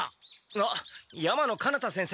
あっ山野金太先生！